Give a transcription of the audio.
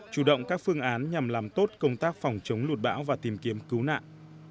chủ động các phương án nhằm làm tốt công tác phòng chống lụt bão và tìm kiếm cứu nạn